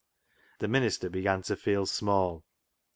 The minister began to feel small.